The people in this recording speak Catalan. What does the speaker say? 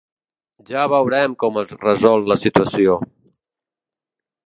Ja veurem com es resol la situació.